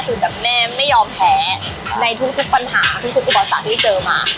คือแม่ไม่ยอมแพ้ในทุกปัญหาทั่วอุบาสาที่เจอมา